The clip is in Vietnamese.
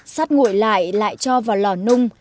sắt nguội lại lại cho vào lò nung